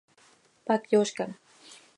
Pac yoozcam.